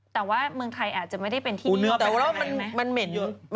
แต่ว่าเมืองไทยอาจจะไม่ได้เป็นที่คูนเนื้อแปลกน่ะไหมมันเห็นเยอะ